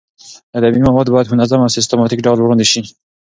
ادبي مواد باید په منظم او سیستماتیک ډول وړاندې شي.